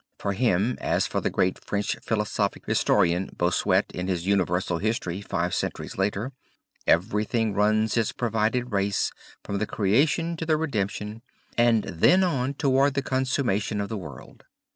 For him, as for the great French philosophic historian Bossuet in his Universal History five centuries later, everything runs its provided race from the creation to the redemption and then on toward the consummation of the world.